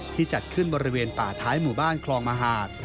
จัดขึ้นบริเวณป่าท้ายหมู่บ้านคลองมหาด